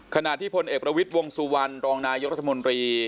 ขณะที่พลเอกประวิทย์วงสุวรรณรองนายกรัฐมนตรี